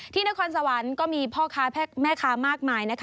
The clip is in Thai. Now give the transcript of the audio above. นครสวรรค์ก็มีพ่อค้าแม่ค้ามากมายนะคะ